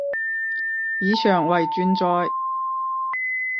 以上為轉載